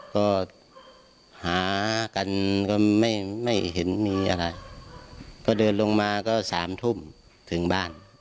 ก็หากันก็ไม่เห็นมีอะไรก็เดินลงมาก็สามทุ่มถึงบ้าน